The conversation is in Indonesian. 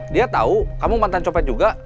dia tahu kamu mantan copet juga